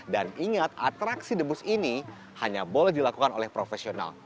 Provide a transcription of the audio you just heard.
dan ingat atraksi debus ini hanya boleh dilakukan oleh profesional